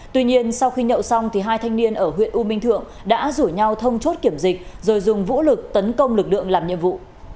tuy nhiên sau khi nhậu xong hai thanh niên ở huyện u minh thượng đã rủ nhau thông chốt kiểm dịch rồi dùng vũ lực tấn công lực lượng làm nhiệm vụ